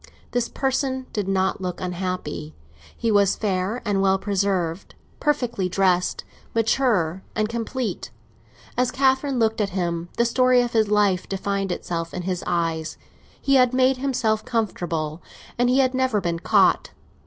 This person did not look unhappy. He was fair and well preserved, perfectly dressed, mature and complete. As Catherine looked at him, the story of his life defined itself in his eyes; he had made himself comfortable, and he had never been caught.